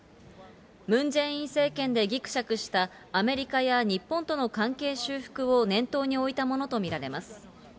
ムン・ジェイン政権でぎくしゃくしたアメリカや日本との関係修復を念頭に置いたものと見られます。